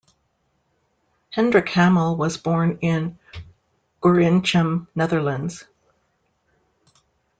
Hendrick Hamel was born in Gorinchem, Netherlands.